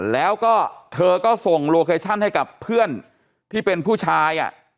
แล้วก็เธอก็ส่งโลเคชั่นให้กับเพื่อนที่เป็นผู้ชาย